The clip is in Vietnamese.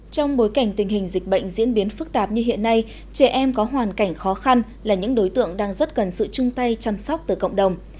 trong bối cảnh tình hình dịch bệnh diễn biến phức tạp như hiện nay trẻ em có hoàn cảnh khó khăn là những đối tượng đang rất cần sự chung tay chăm sóc từ cộng đồng